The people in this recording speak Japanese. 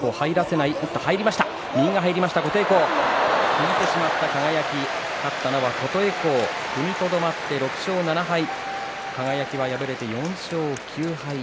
引いてしまった輝勝ったのは琴恵光踏みとどまって６勝７敗輝は敗れて４勝９敗。